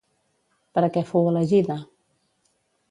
Per a què fou elegida?